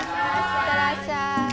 いってらっしゃい。